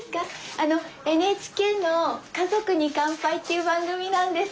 あのＮＨＫの「家族に乾杯」っていう番組なんです。